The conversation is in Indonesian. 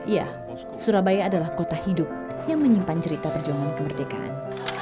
ya surabaya adalah kota hidup yang menyimpan cerita perjuangan kemerdekaan